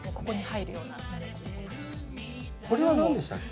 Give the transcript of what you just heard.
これは何でしたっけ？